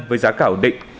với giá cảo định